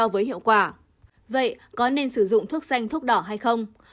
vậy có nên sử dụng thuốc xanh thuốc đỏ hay không